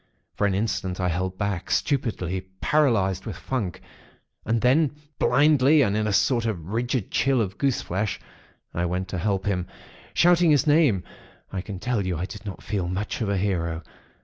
For an instant, I held back, stupidly, paralysed with funk; and then, blindly, and in a sort of rigid chill of goose flesh, I went to help him, shouting his name. I can tell you, I did not feel much of a hero.